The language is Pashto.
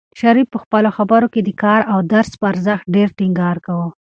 شریف په خپلو خبرو کې د کار او درس په ارزښت ډېر ټینګار کاوه.